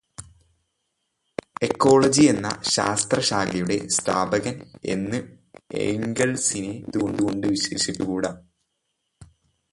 Ecology എന്ന ശാസ്ത്രശാഖയുടെ സ്ഥാപകൻ എന്ന് എംഗൽസിനെ എന്തുകൊണ്ട് വിശേഷിപ്പിച്ചുകൂട?